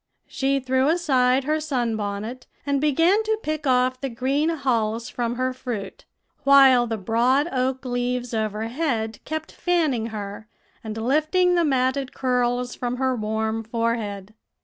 "She threw aside her sun bonnet, and began to pick off the green hulls from her fruit, while the broad oak leaves overhead kept fanning her, and lifting the matted curls from her warm forehead.